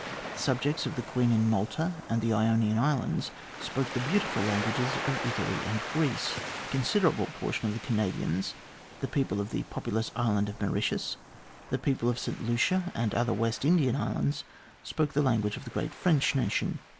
The subjects of the Queen in Malta and the Ionian Islands spoke the beautiful languages of Italy and Greece. A considerable portion of the Canadians, the people of the populous island of Mauritius, the people of St Lucia and other West Indian Islands spoke the language of the great French nation.